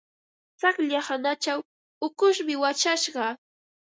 Tsaqlla hanachaw ukushmi wachashqa.